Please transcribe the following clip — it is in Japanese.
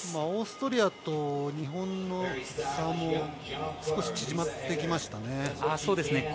オーストリアと日本の差も少し縮まってきましたね。